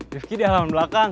rifki di halaman belakang